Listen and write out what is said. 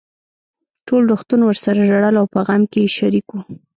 ټول روغتون ورسره ژړل او په غم کې يې شريک وو.